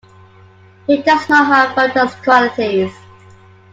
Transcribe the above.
He does not have Buddha's qualities.